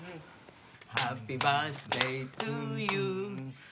ハッピーバースデートゥーユー。